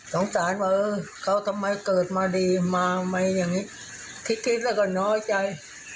เพราะเอาไปไม่ได้